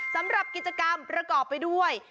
สำหรับกิจกรรมประกอบไปด้วย